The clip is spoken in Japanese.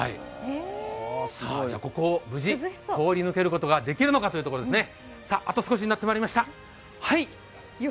ここを無事、通り抜けることができるのかということですね。